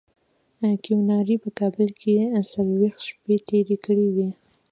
کیوناري په کابل کې څلوېښت شپې تېرې کړې وې.